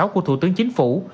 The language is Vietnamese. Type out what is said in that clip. của thủ tướng chính phủ